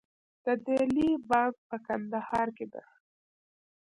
د دهلې بند په کندهار کې دی